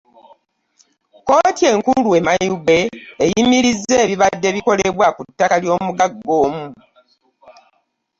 Kkooti enkulu e Mayuge eyimirizza ebibadde bikolebwa ku ttaka ly'omugagga omu.